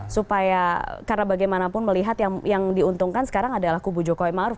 supaya karena bagaimanapun melihat yang diuntungkan sekarang adalah kubu jokowi maruf